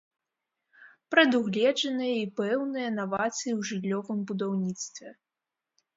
Прадугледжаныя і пэўныя навацыі ў жыллёвым будаўніцтве.